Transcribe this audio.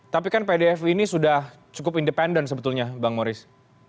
tapi kan pdfi ini sudah cukup independen sebetulnya bang morris